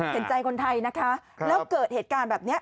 เห็นใจคนไทยนะคะแล้วเกิดเหตุการณ์แบบนี้